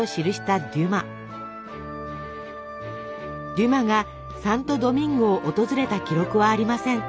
デュマがサントドミンゴを訪れた記録はありません。